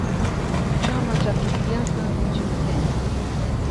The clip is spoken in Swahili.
Chama cha kisiasa nchini Kenya.